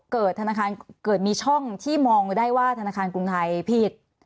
ธนาคารเกิดมีช่องที่มองได้ว่าธนาคารกรุงไทยผิด